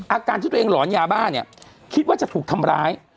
อาการที่ตัวเองหลอนยาบ้าเนี่ยคิดว่าจะถูกทำร้าย